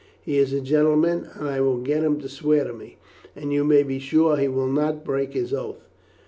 He is a gentleman, and I will get him to swear to me, and you may be sure he will not break his oath."